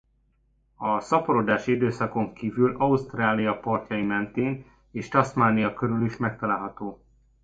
A szaporodási időszakon kívül Ausztrália partjai mentén és Tasmania körül is megtalálható.